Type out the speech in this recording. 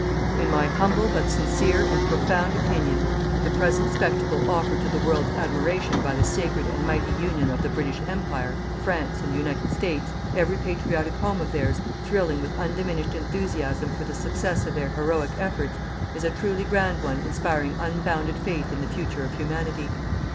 In my humble but sincere and profound opinion, the present spectacle offered to the world's admiration by the sacred and mighty union of the British Empire, France and the United States, every patriotic home of theirs thrilling with undiminished enthusiasm for the success of their heroic efforts, is a truly grand one inspiring unbounded faith in the future of Humanity.